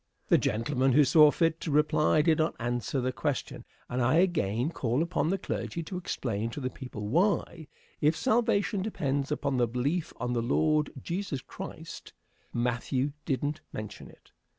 The gentlemen who saw fit to reply did not answer the question, and I again call upon the clergy to explain to the people why, if salvation depends upon belief on the Lord Jesus Christ, Matthew didn't mention it.